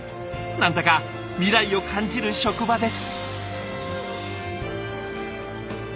何だか未来を感じる職場です。